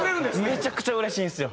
めちゃくちゃうれしいんですよ